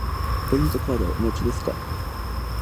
ポイントカードはお持ちですか。